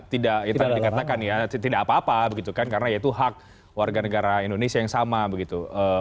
tidak itu tadi dikatakan ya tidak apa apa begitu kan karena itu hak warga negara indonesia yang sama begitu